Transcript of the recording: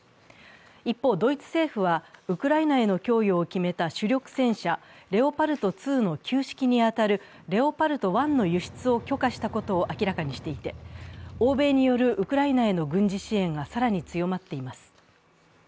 一方、ドイツ政府はウクライナへの供与を決めた主力戦車レオパルト２の旧式に当たるレオパルト１の輸出を許可したことを明らかにしていて、欧米によるウクライナへの軍事支援は更に強まっています。